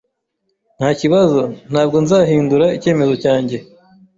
Ntakibazo, ntabwo nzahindura icyemezo cyanjye.